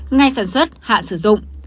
ngay sản xuất hạn sử dụng